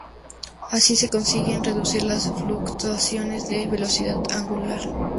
Así se consiguen reducir las fluctuaciones de velocidad angular.